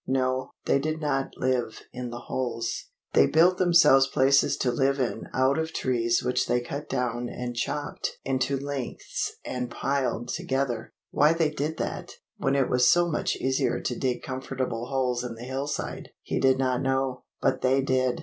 No, they did not live in the holes. They built themselves places to live in out of trees which they cut down and chopped into lengths and piled together. Why they did that, when it was so much easier to dig comfortable holes in the hillside, he did not know; but they did.